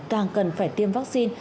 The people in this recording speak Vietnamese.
càng cần phải tiêm vaccine